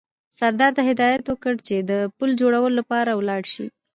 سردار ته هدایت وکړ چې د پل جوړولو لپاره ولاړ شي.